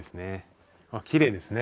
きれいですね。